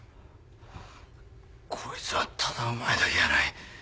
こいつはただうまいだけやない。